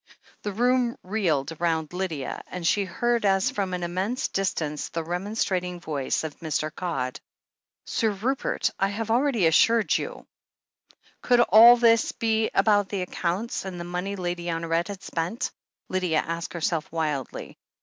The room reeled round Lydia, and she heard as from an immense distance the remonstrating voice of Mr. Codd: "Sir Rupert ! I have already assured you " Could all this be about the accounts, and the money Lady Honoret had spent? Lydia asked herseH wildly.